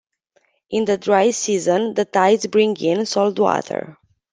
In the dry season, the tides bring in salt water.